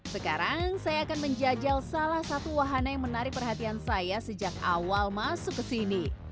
sekarang saya akan menjajal salah satu wahana yang menarik perhatian saya sejak awal masuk ke sini